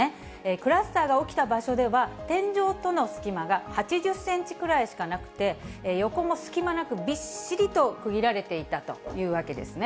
クラスターが起きた場所では、天井との隙間が８０センチくらいしかなくて、横も隙間なくびっしりと区切られていたというわけですね。